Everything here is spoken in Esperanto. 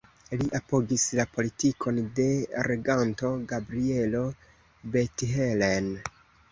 Li apogis la politikon de reganto Gabrielo Bethlen.